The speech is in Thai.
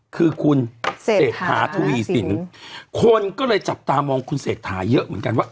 คือคุณเศรษฐาทวีสินคนก็เลยจับตามองคุณเศรษฐาเยอะเหมือนกันว่า